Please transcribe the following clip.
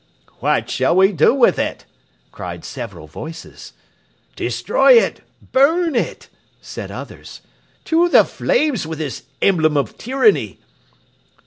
"What shall we do with it?" cried several voices. "Destroy it! Burn it!" said others. "To the flames with this emblem of tyranny!"